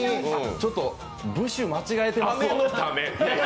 ちょっと、部首間違えてます。